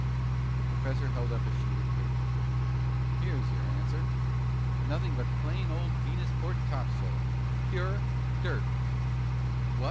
The professor held up a sheet of paper. "Here's your answer. Nothing but plain old Venusport topsoil. Pure dirt!" "What?"